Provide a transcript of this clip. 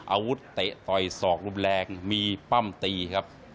อาวุธเตะต่อยสอกรุมแรงมีปั้มตีครับ